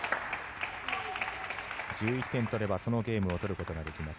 １１点取ればそのゲームを取ることができます